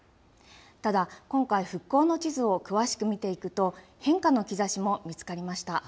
ただ、今回、復興の地図を詳しく見ていくと、変化の兆しも見つかりました。